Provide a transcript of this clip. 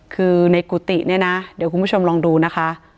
คือในกุฏิเนี่ยนะเดี๋ยวคุณผู้ชมลองดูนะคะ